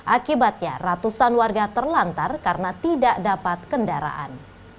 akibatnya ratusan warga terlantar karena tidak dapat kendaraan